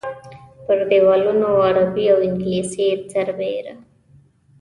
پر دیوالونو عربي او انګلیسي سربېره.